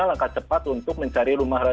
langkah cepat untuk mencari rumah